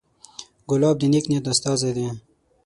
ګلاب د نیک نیت استازی دی.